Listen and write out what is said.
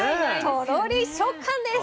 とろり食感です。